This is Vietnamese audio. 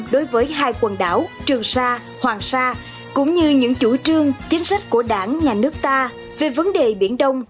đối với hai quần đảo trường sa hoàng sa cũng như những chủ trương chính sách của đảng nhà nước ta về vấn đề biển đông